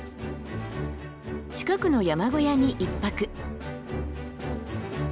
近くの山小屋に１泊。